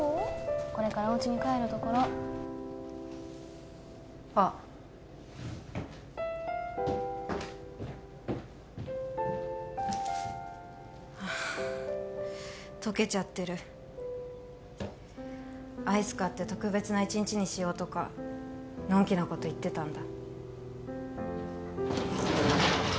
これからおうちに帰るところあっああ溶けちゃってるアイス買って特別な一日にしようとかのんきなこと言ってたんだ